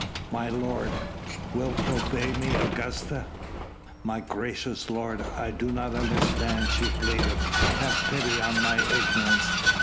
"My lord...." "Wilt obey me, Augusta?" "My gracious lord ... I do not understand," she pleaded; "have pity on my ignorance